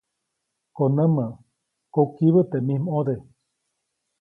Konämä, kokibä teʼ mij ʼmode.